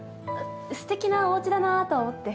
素敵なおうちだなあと思って。